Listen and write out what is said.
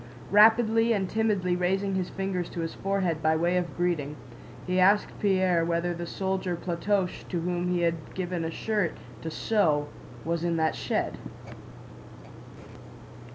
Rapidly and timidly raising his fingers to his forehead by way of greeting, he asked Pierre whether the soldier Platoche to whom he had given a shirt to sew was in that shed.